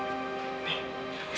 nih aku suapin